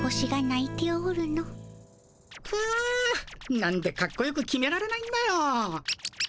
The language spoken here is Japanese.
なんでカッコよく決められないんだよ。